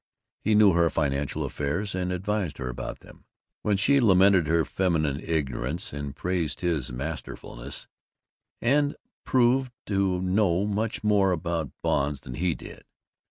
He knew her financial affairs and advised her about them, while she lamented her feminine ignorance, and praised his masterfulness, and proved to know much more about bonds than he did.